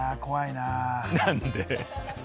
なんで？